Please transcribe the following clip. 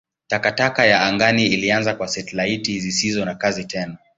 Takataka ya angani ilianza kwa satelaiti zisizo na kazi tena.